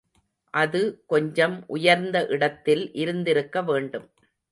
அது கொஞ்சம் உயர்ந்த இடத்தில் இருந்திருக்க வேண்டும்.